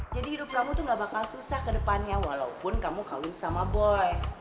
jadi hidup kamu tuh nggak bakal susah ke depannya walaupun kamu kalun sama boy